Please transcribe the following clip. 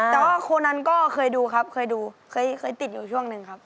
แต่ว่าคนนั้นก็เคยดูครับเคยดูเคยติดอยู่ช่วงหนึ่งครับ